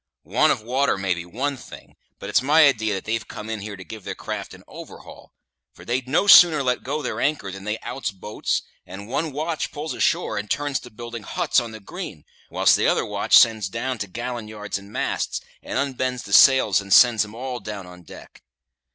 Want of water may be one thing; but it's my idee that they've come in here to give their craft an overhaul, for they'd no sooner let go their anchor than they outs boats, and one watch pulls ashore and turns to building huts on the green, whilst t'other watch sends down t'gallan' yards and masts, and unbends the sails and sends 'em all down on deck."